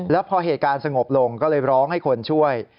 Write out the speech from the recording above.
แล้วพอเหตุการณ์สงบลงก็เลยร้องให้คนช่วย